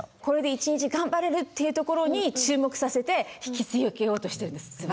「これで１日ガンバれる！」っていうところに注目させて引きつけようとしているんです。